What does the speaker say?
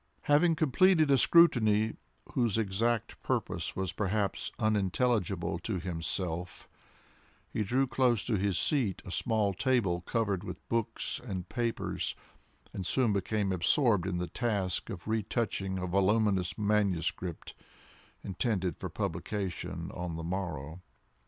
Having completed a scrutiny whose exact purpose was perhaps unintelligible to himself, he drew close to his seat a small table covered with books and papers, and soon became absorbed in the task of retouching a voluminous manuscript, intended for publication on the morrow.